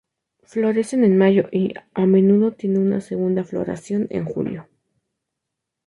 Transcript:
Florece en mayo y, a menudo tiene una segunda floración en julio.